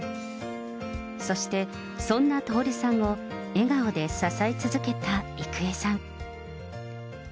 そしてそんな徹さんを、笑顔で支え続けた郁恵さん。